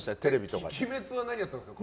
「鬼滅」は何をやったんですか？